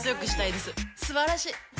すばらしい！